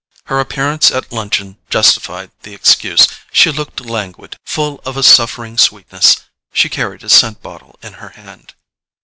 Her appearance at luncheon justified the excuse. She looked languid, full of a suffering sweetness; she carried a scent bottle in her hand.